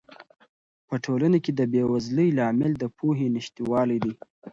په ټولنه کې د بې وزلۍ لامل د پوهې نشتوالی دی.